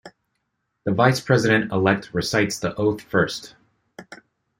The vice-president-elect recites the oath first.